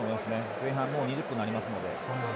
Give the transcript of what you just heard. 前半、もう２０分になるので。